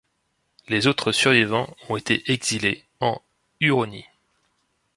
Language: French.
Les autres survivants ont été exilés en Huronie.